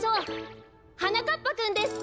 はなかっぱくんです！